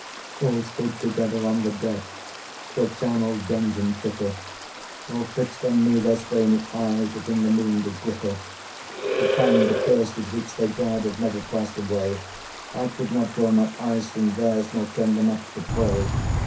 All stood together on the deck, For a charnel dungeon fitter: All fixed on me their stony eyes, That in the Moon did glitter. The pang, the curse, with which they died, Had never passed away: I could not draw my eyes from theirs, Nor turn them up to pray.